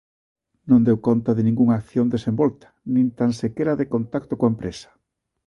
Non deu conta de ningunha acción desenvolta, nin tan sequera de contacto coa empresa.